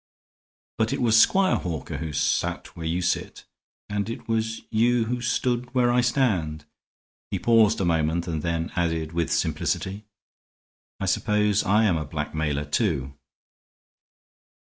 But it was Squire Hawker who sat where you sit and it was you who stood where I stand." He paused a moment and then added, with simplicity, "I suppose I am a blackmailer, too."